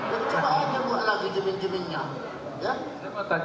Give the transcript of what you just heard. dan coba aja buat lagi jumin juminnya